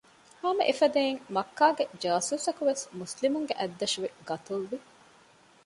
ހަމައެފަދައިން މައްކާގެ ޖާސޫސަކުވެސް މުސްލިމުންގެ އަތްދަށުވެ ޤަތުލުވި